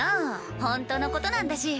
ほんとのことなんだし。